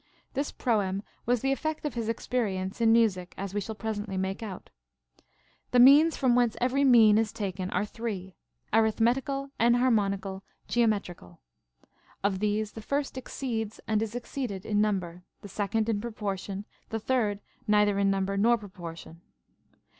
* This proem was the effect of his experience in music, as we shall presently make out. The means from whence every mean is taken are three, arithmetical, enharmonical, geometrical. Of these the first exceeds and is exceeded in number, the second in proportion, the third neither in number nor proportion.